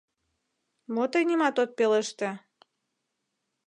Мо тый нимат от пелеште?